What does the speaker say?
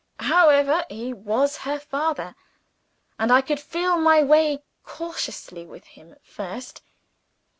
However, he was her father; and I could feel my way cautiously with him at first.